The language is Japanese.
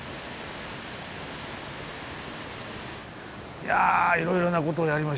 いやいろいろなことをやりましたね。